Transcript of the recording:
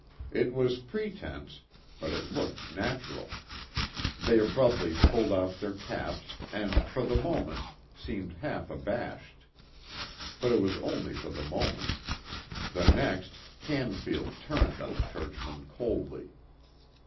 It was pretense, but it looked natural. They abruptly pulled off their caps, and for the moment, seemed half abashed. But it was only for the moment. The next, Canfield turned on the churchman coldly.